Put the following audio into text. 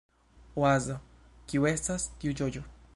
Oazo: "Kiu estas tiu ĝoĝo?"